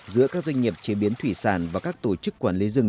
giữa các doanh nghiệp chế biến thủy sản và các tổ chức quản lý rừng